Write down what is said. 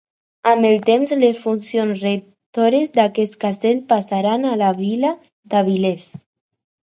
Amb el temps, les funcions rectores d'aquest castell passaran a la vila d'Avilés.